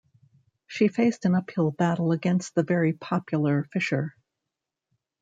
She faced an uphill battle against the very-popular Fisher.